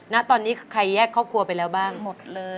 ณตอนนี้ใครแยกครอบครัวไปแล้วบ้างหมดเลย